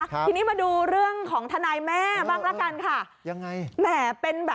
ทีนี้มาดูเรื่องของทนายแม่บ้างละกันค่ะ